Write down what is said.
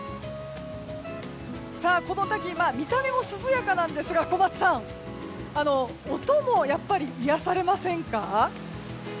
この滝、見た目も涼やかなんですが小松さん、音もやっぱり癒やされませんか？